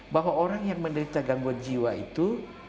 bahwa orang yang menderita gangguan jiwa itu